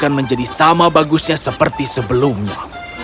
dan menjadi sama bagusnya seperti sebelumnya